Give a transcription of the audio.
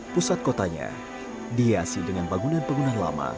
pusat kotanya dihiasi dengan bangunan bangunan lama